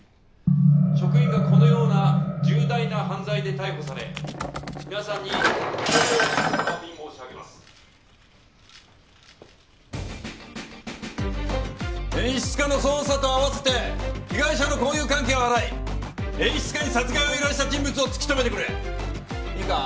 職員がこのような重大な犯罪で逮捕され皆さんに演出家の捜査とあわせて被害者の交友関係を洗い演出家に殺害を依頼した人物を突き止めてくれいいか？